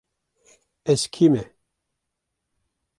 Ez kî me?